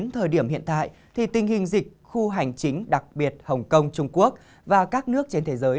tình hình dịch khu hành chính đặc biệt hồng kông trung quốc và các nước trên thế giới